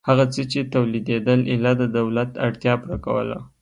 هغه څه چې تولیدېدل ایله د دولت اړتیا پوره کوله